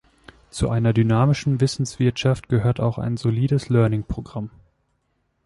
Zu einer dynamischen Wissenswirtschaft gehört auch ein solides Learning-Programm.